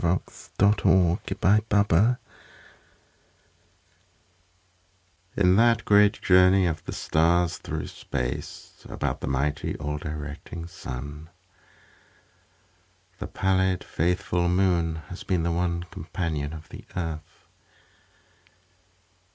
A SOLAR ECLIPSE In that great journey of the stars through space About the mighty, all directing Sun, The pallid, faithful Moon has been the one Companion of the Earth.